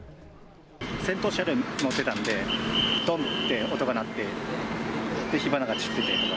先頭車両に乗ってたんで、どんって音が鳴って、で、火花が散ってて。